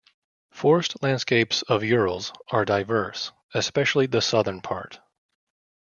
Forest landscapes of Urals are diverse, especially the southern part.